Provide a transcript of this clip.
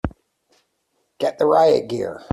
Get the riot gear!